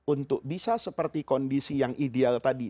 untuk bisa seperti kondisi yang ideal tadi